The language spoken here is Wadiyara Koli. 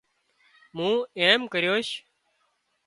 مُون ايم ڪريوش